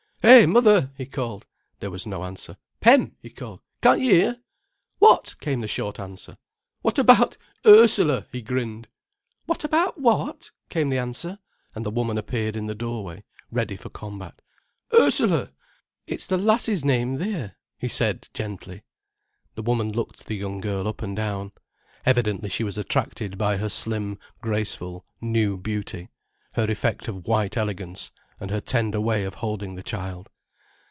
"Hey, mother!" he called. There was no answer. "Pem!" he called, "can't y'hear?" "What?" came the short answer. "What about 'Ursula'?" he grinned. "What about what?" came the answer, and the woman appeared in the doorway, ready for combat. "Ursula—it's the lass's name there," he said, gently. The woman looked the young girl up and down. Evidently she was attracted by her slim, graceful, new beauty, her effect of white elegance, and her tender way of holding the child.